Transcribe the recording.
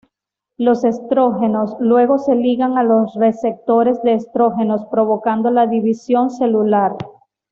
Los estrógenos luego se ligan a los receptores de estrógenos, provocando la división celular.